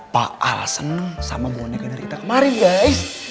pak al seneng sama boneka dari kita kemarin guys